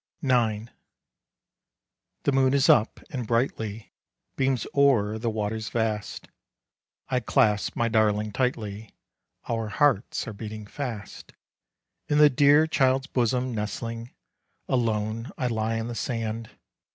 IX. The moon is up, and brightly Beams o'er the waters vast. I clasp my darling tightly; Our hearts are beating fast. In the dear child's bosom, nestling, Alone I lie on the sand.